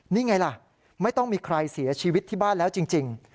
นี่ไงล่ะไม่ต้องมีใครเสียชีวิตที่บ้านแล้วจริง